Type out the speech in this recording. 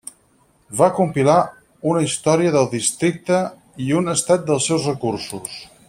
Va compilar una història del districte i un estat dels seus recursos.